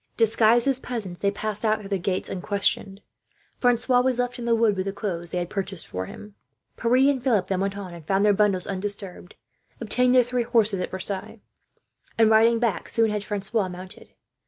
Disguised as peasants, they passed out through the gates unquestioned. Francois was left in the wood, with the clothes they had purchased for him. The others then went on and found their bundles undisturbed, obtained their three horses at Versailles and, riding back, soon had Francois mounted.